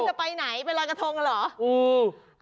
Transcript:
คุณจะไปไหนไปรอยกระทงหรือ